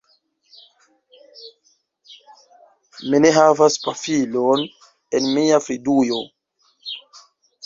Mi ne havas pafilon en mia fridujo